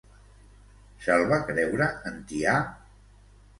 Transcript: Se'l va creure en Tià?